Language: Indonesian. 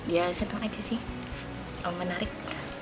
ya senang aja sih menarik